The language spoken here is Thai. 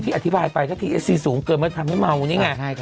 ที่อธิบายไปก็คือ่ะที่เนสสี่สูงเกินมดทำให้เมาแบบนี้ไง